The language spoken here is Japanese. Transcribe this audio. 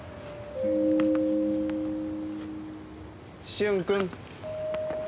駿君。